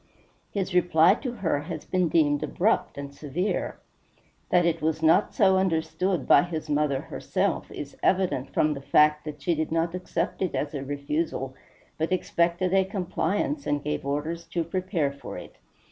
His reply to her has been deemed abrupt and severe. That it was not so understood by his mother herself is evident from the fact that she did not accept it as a refusal, but expected a compliance, and gave orders to prepare for it.